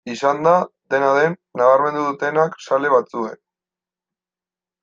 Izan da, dena den, nabarmendu dutenak zale batzuen.